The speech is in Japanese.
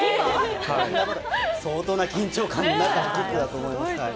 相当な緊張感の中のキックだと思います。